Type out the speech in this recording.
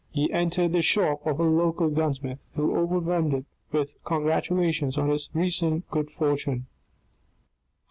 He entered the shop of the local gunsmith, who overwhelmed him with congratulations on his recent good fortune.